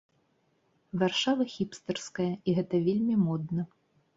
Варшава, хіпстэрская, і гэта вельмі модна.